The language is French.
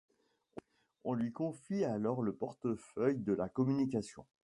On lui confie alors le portefeuille de la Communication.